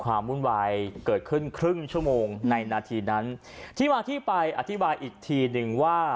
วุ่นวายเกิดขึ้นครึ่งชั่วโมงในนาทีนั้นที่มาที่ไปอธิบายอีกทีหนึ่งว่า